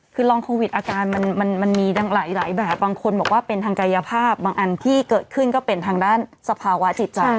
คือลองโควิดอาการมันมีหลายแบบบางคนบอกว่าเป็นทางกายภาพบางอันที่เกิดขึ้นก็เป็นทางด้านสภาวะจิตใจ